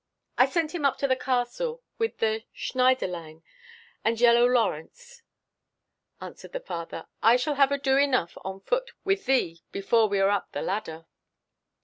"I sent him up to the castle with the Schneiderlein and Yellow Lorentz," answered the father. "I shall have ado enough on foot with thee before we are up the Ladder."